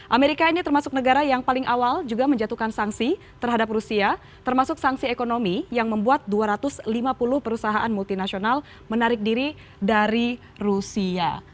amerika ini termasuk negara yang paling awal juga menjatuhkan sanksi terhadap rusia termasuk sanksi ekonomi yang membuat dua ratus lima puluh perusahaan multinasional menarik diri dari rusia